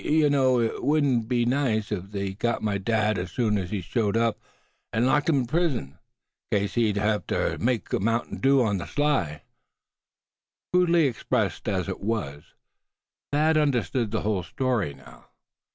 Yuh know hit wudn't be nice if they sot on my dad as soon as he showed up, an' locked him in prison, 'case as how he use ter make mounting dew on ther sly." Crudely expressed as it was, Thad understood the whole story now.